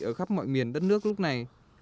ở khắp mọi miền đất nước lúc này